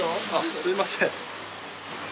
すみません。